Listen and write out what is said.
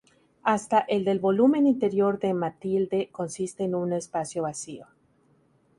Hasta el del volumen interior de Mathilde consiste en un espacio vacío.